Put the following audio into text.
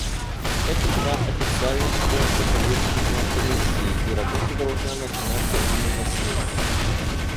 Это два официальных пункта повестки дня Комиссии, и работа должна начинаться именно с них.